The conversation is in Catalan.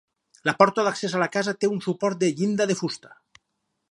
La porta d'accés a la casa té un suport de llinda de fusta.